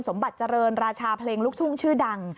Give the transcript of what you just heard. สมบัติเจริญราชาเพลงลูกทุ่งชื่อดัง